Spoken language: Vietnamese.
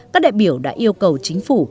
các đại biểu đã yêu cầu chính phủ